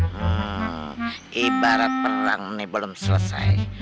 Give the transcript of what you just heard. hmm ibarat perang ini belum selesai